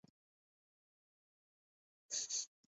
تذکرہ چھیڑے تری پیرہن آرائی کا